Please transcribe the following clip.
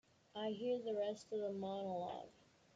I hear the rest of the monologue.